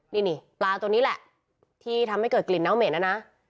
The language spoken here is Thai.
นี่ปลาตัวนี้แหละที่ทำให้เกิดกลิ่นน้ำเหม็นนะนะ